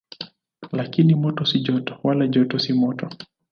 Lakini moto si joto, wala joto si moto.